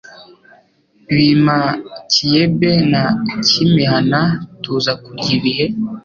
Bima Kiyebe na Kimihana Tuza kujya ibihe.